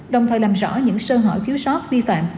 đồng thời làm rõ những sơ hở thiếu sót vi phạm